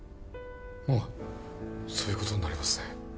まあそういうことになりますね